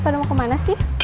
bapak mau ke mana